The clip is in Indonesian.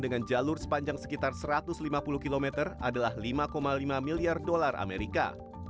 dengan jalur sepanjang sekitar satu ratus lima puluh km adalah lima lima miliar dolar amerika